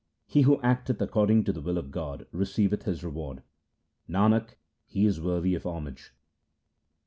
He who acteth according to the will of God receiveth his reward ; Nanak, he is worthy of homage.